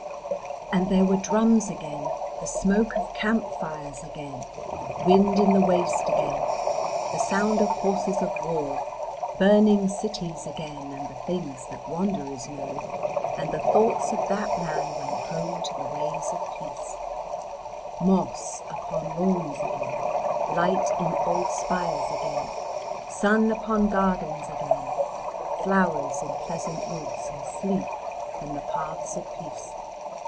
And there were drums again, the smoke of campfires again, wind in the waste again, the sound of horses of war, burning cities again, and the things that wanderers know; and the thoughts of that man went home to the ways of peace; moss upon lawns again, light in old spires again, sun upon gardens again, flowers in pleasant woods and sleep and the paths of peace.